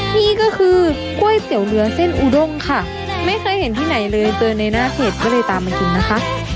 นี่ก็คือก๋วยเตี๋ยวเรือเส้นอูด้งค่ะไม่เคยเห็นที่ไหนเลยเจอในหน้าเพจก็เลยตามมากินนะคะ